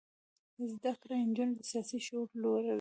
زده کړه د نجونو سیاسي شعور لوړوي.